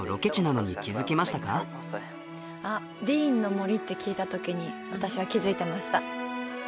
ディーンの森って聞いた時に私は気づいてました